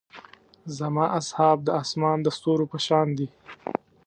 زما اصحاب د اسمان د ستورو پۀ شان دي.